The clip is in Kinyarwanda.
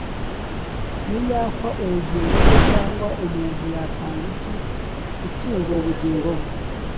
niyakwa ubugingo bwe? Cyangwa umuntu yatanga iki gucungura ubugingo bwe?